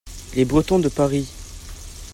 Les Bretons de Paris.